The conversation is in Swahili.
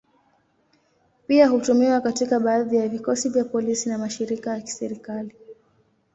Pia hutumiwa katika baadhi ya vikosi vya polisi na mashirika ya kiserikali.